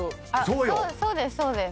そうですそうです。